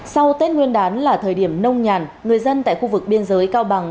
sau tết nguyên đán là thời điểm nông nhàn người dân tại khu vực biên giới cao bằng